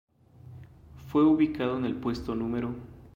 Fue ubicado en el puesto Nro.